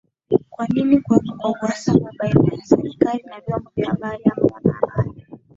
kwa nini kuwepo na uhasama baina serikali na vyombo vya habari ama wanahabari